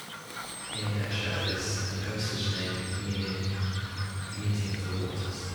Neodesha is an Osage name meaning "meeting of the waters".